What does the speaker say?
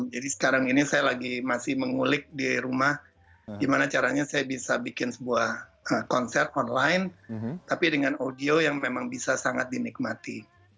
jadi sekarang ini saya lagi masih mengulik di rumah gimana caranya saya bisa bikin sebuah konser online tapi dengan audio yang memang bisa sangat dinikmati